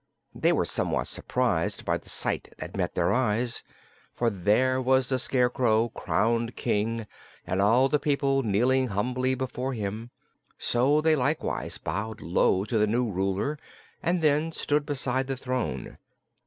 They were somewhat surprised by the sight that met their eyes, for there was the Scarecrow, crowned King, and all the people kneeling humbly before him. So they likewise bowed low to the new ruler and then stood beside the throne.